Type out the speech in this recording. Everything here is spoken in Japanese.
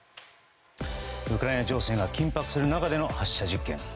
ウクライナ情勢が緊迫する中での発射実験。